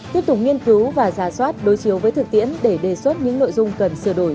tiếp tục nghiên cứu và giả soát đối chiếu với thực tiễn để đề xuất những nội dung cần sửa đổi